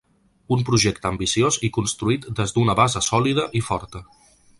Un projecte ambiciós i construït des d’una base sòlida i forta.